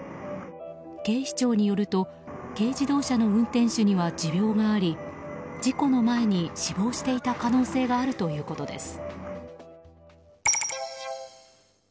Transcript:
警視庁によると軽自動車の運転手には持病があり事故の前に死亡していた可能性があるということです。